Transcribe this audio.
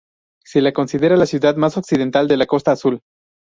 Se la considera la ciudad más occidental de la Costa Azul.